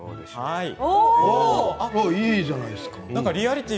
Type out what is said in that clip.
いいじゃないですか。